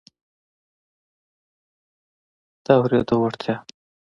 د اورېدو وړتیا